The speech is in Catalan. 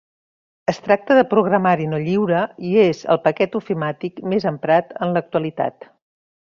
Es tracta de programari no lliure, i és el paquet ofimàtic més emprat en l'actualitat.